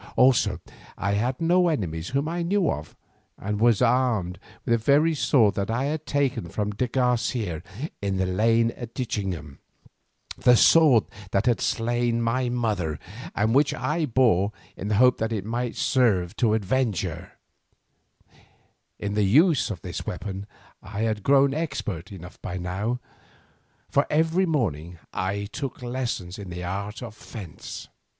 Also I had no enemies whom I knew of, and was armed with the very sword that I had taken from de Garcia in the lane at Ditchingham, the sword that had slain my mother, and which I bore in the hope that it might serve to avenge her. In the use of this weapon I had grown expert enough by now, for every morning I took lessons in the art of fence.